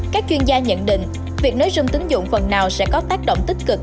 các chuyên gia nhận định việc nới rưm tín dụng phần nào sẽ có tác động tích cực